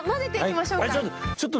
ちょっと！